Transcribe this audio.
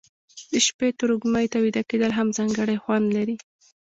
د شپې تروږمي ته ویده کېدل هم ځانګړی خوند لري.